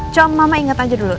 com mama inget aja dulu